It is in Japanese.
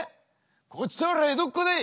こちとら江戸っ子でい！